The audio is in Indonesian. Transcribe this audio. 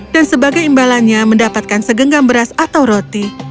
dan sebagai imbalannya mendapatkan segenggam beras atau roti